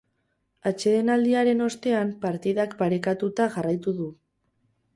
Atsedenaldiaren ostean partidak parekatuta jarraitu du.